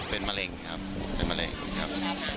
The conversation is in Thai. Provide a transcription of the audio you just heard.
เป็นมะเร็งครับ